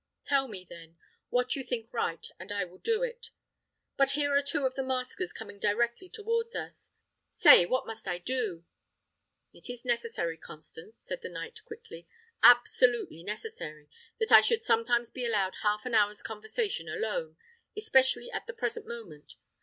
Tell me, then, what you think right, and I will do it. But here are two of the maskers coming directly towards us. Say what must I do?" "It is necessary, Constance," said the knight quickly, "absolutely necessary, that I should sometimes be allowed half an hour's conversation alone, especially at the present moment.